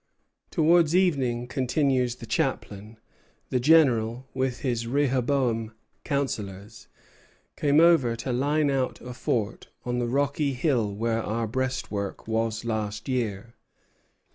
"Towards evening," continues the chaplain, "the General, with his Rehoboam counsellors, came over to line out a fort on the rocky hill where our breastwork was last year.